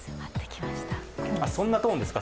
そんなトーンですか？